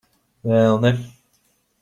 Vēl ne.